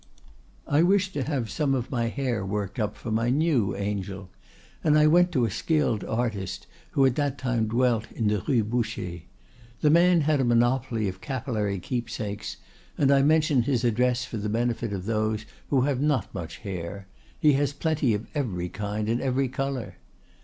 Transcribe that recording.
"I wished to have some of my hair worked up for my new angel, and I went to a skilled artist who at that time dwelt in the Rue Boucher. The man had a monopoly of capillary keepsakes, and I mention his address for the benefit of those who have not much hair; he has plenty of every kind and every color.